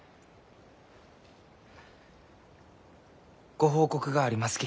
ご報告がありますき。